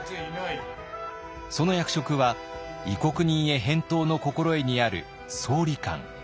その役職は「異国人江返答之心得」にある「総理官」。